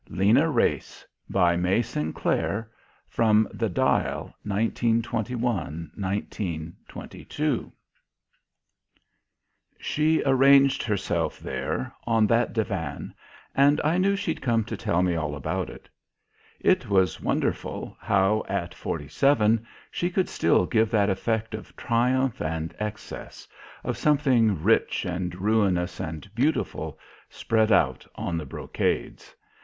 LENA WRACE By MAY SINCLAIR (From The Dial) 1921, 1922 She arranged herself there, on that divan, and I knew she'd come to tell me all about it. It was wonderful, how, at forty seven, she could still give that effect of triumph and excess, of something rich and ruinous and beautiful spread out on the brocades.